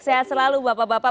sehat selalu bapak bapak